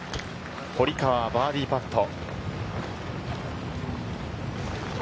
堀川はバーディーパット。